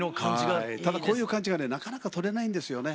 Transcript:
ただこういう感じがねなかなか撮れないんですよね。